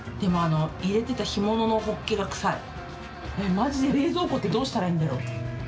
まじで冷蔵庫ってどうしたらいいんだろう。